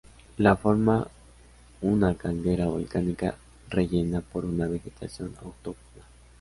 La forma una caldera volcánica rellena por una vegetación autóctona.